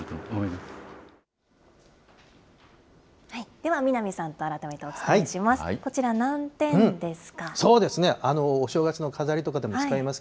では、南さんと改めてお伝えします。